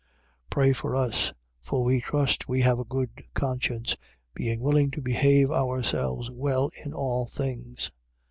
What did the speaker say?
13:18. Pray for us. For we trust we have a good conscience, being willing to behave ourselves well in all things.